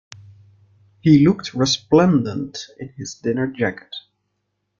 He looked resplendent in his dinner jacket